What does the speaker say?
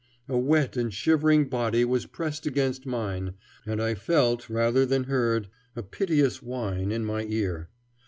A wet and shivering body was pressed against mine, and I felt rather than heard a piteous whine in my ear.